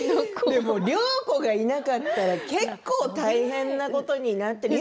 でも良子がいなかったら結構、大変なことになってる。